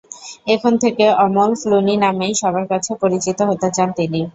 এখন থেকে অমল ক্লুনি নামেই সবার কাছে পরিচিত হতে চান তিনি।